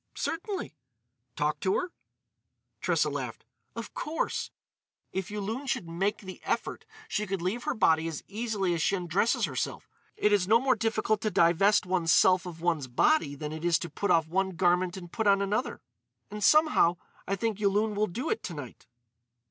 "Certainly." "Talk to her?" Tressa laughed: "Of course. If Yulun should make the effort she could leave her body as easily as she undresses herself. It is no more difficult to divest one's self of one's body than it is to put off one garment and put on another.... And, somehow, I think Yulun will do it to night."